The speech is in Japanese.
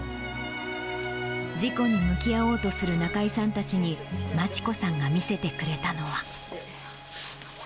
事故に向き合おうとする中井さんたちに、真知子さんが見せてくれたのは。